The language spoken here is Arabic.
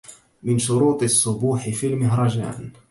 من شروط الصبوح في المهرجان